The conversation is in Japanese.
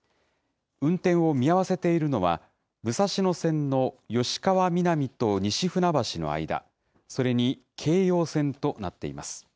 運転を見合わせているのは、武蔵野線の吉川美南と西船橋の間、それに京葉線となっています。